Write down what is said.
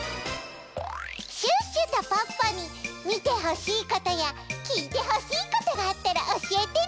シュッシュとポッポにみてほしいことやきいてほしいことがあったらおしえてね！